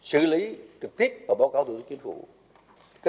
để xử lý trực tiếp báo cáo thủ tướng chính phủ